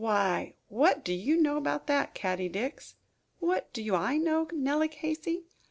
"Why, what do you know about that, Caddie Dix?" "What do I know, Nellie Casey?